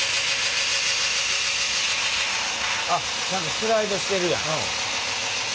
あっちゃんとスライドしてるやん。